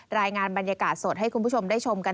รายงานบรรยากาศสดให้คุณผู้ชมได้ชมกัน